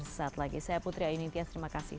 terima kasih saat lagi saya putri aini terima kasih